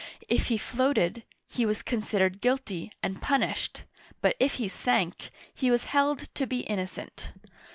If he floated, he was considered guilty, and pun ished ; but if he sank, he was held to be innocent.